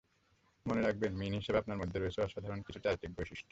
মনে রাখবেন, মীন হিসেবে আপনার মধ্যে রয়েছে অসাধারণ কিছু চারিত্রিক বৈশিষ্ট্য।